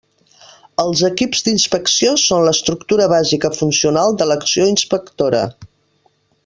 Els equips d'inspecció són l'estructura bàsica funcional de l'acció inspectora.